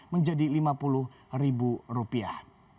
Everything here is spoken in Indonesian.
menjadi lima puluh rupiah